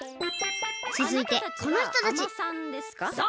つづいてこのひとたちそう！